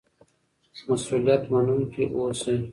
مسؤلیت منونکي اوسئ.